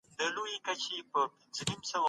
جهاد د ایمان د بشپړېدو یو الهي امتحان دی.